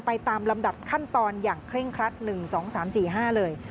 ตามลำดับขั้นตอนอย่างเคร่งครัด๑๒๓๔๕เลย